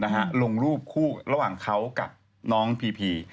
ลงรูปคู่ระหว่างเขากับน้องพีพี